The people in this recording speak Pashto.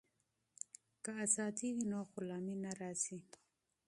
که ازادي وي نو غلامي نه راځي.